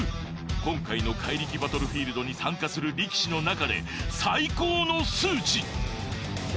今回の怪力バトルフィールドに参加する力士の中で最高の数値！